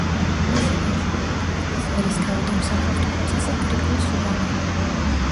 მისი ვაჟი იყო ქართლის ერისთავი და მსახურთუხუცესი გრიგოლ სურამელი.